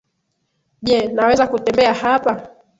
Je, naweza kutembea hapa?